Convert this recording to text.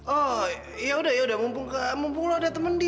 oh yaudah yaudah mumpung lo ada temen di